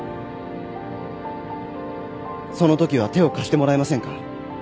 そのときは手を貸してもらえませんか？